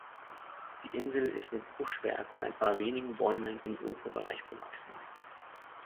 Die Insel ist mit Buschwerk und ein paar wenigen Bäumen im Uferbereich bewachsen.